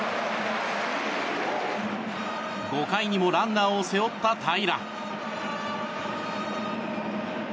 ５回にもランナーを背負った平良。